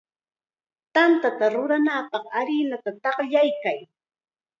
Tantata rurananpaq harinata taqllaykan.